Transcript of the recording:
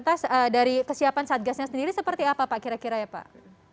tes dari kesiapan satgasnya sendiri seperti apa pak kira kira ya pak